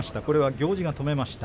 行司が止めました